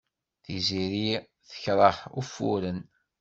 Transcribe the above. Tiziri tekṛeh ufuren.